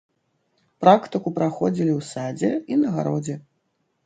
Практыку праходзілі ў садзе і на гародзе.